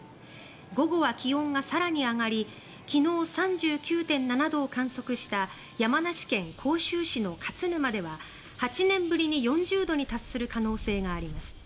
午後は気温が更に上がり昨日、３９．７度を観測した山梨県甲州市の勝沼では８年ぶりに４０度に達する可能性があります。